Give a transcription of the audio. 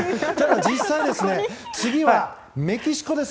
実際、次はメキシコです。